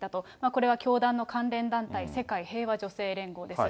これは教団の関連団体、世界平和女性連合です。